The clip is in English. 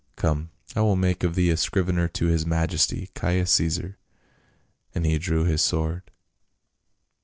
" Come, I will make of thee a scrivener to his majesty, Caius Caesar," and he drew his sword.